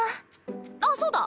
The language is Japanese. あっそうだ。